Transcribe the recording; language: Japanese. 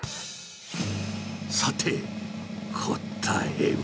さて、答えは？